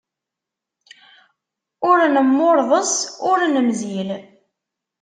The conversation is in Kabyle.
Ur nemmurḍes ur nemzil.